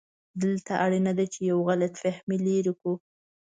دلته اړینه ده چې یو غلط فهمي لرې کړو.